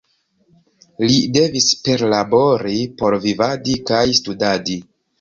Li devis perlabori por vivadi kaj studadi.